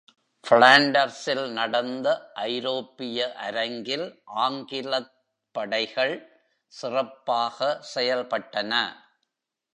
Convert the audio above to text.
ஃபிளாண்டர்ஸில் நடந்த ஐரோப்பிய அரங்கில் ஆங்கிலத் படைகள் சிறப்பாக செயல்பட்டன.